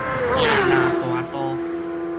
椰林大道